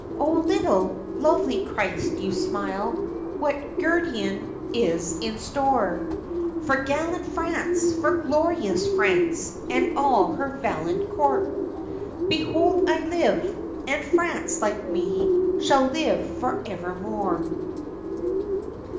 Oh little, lovely Christ you smile! What guerdon is in store For gallant France, for glorious France, And all her valiant corps? "Behold I live, and France, like me, Shall live for evermore."